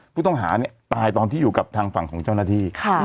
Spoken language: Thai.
ผู้ต้องหาเนี่ยตายตอนที่อยู่กับทางฝั่งของเจ้าหน้าที่